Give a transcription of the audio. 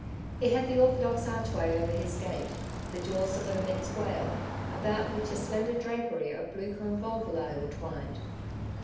He had the orthodox archway over his gate — the jaws of an immense whale, about which a slender drapery of blue convolvuli were twined.